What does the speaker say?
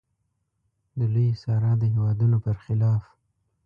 د لویې صحرا د هېوادونو پر خلاف.